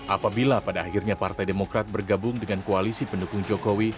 apabila pada akhirnya partai demokrat bergabung dengan koalisi pendukung jokowi